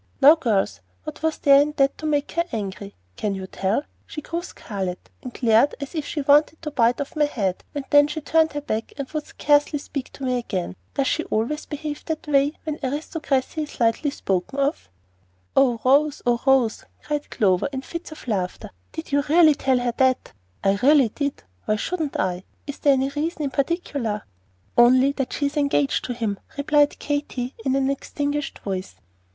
Now, girls, what was there in that to make her angry? Can you tell? She grew scarlet, and glared as if she wanted to bite my head off; and then she turned her back and would scarcely speak to me again. Does she always behave that way when the aristocracy is lightly spoken of?" "Oh, Rose, oh, Rose," cried Clover, in fits of laughter, "did you really tell her that?" "I really did. Why shouldn't I? Is there any reason in particular?" "Only that she is engaged to him," replied Katy, in an extinguished voice.